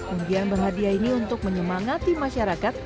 undian berhadiah ini untuk menyemangati masyarakat